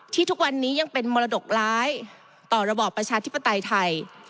ทุกวันนี้ยังเป็นมรดกร้ายต่อระบอบประชาธิปไตยไทย